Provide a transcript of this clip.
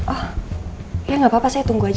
oh ya gak apa apa saya tunggu aja